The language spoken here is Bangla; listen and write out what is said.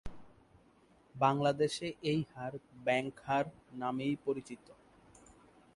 বাংলাদেশে এই হার ব্যাংক হার নামেই পরিচিত।